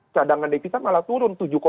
cadangan devisa malah turun